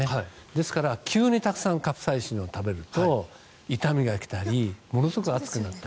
ですから、急にたくさんカプサイシンを食べると痛みが来たりものすごく暑くなったり。